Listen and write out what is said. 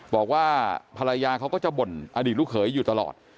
บอกว่าภรรยาเขาก็จะบ่นอดีตลูกเขยอยู่ตลอด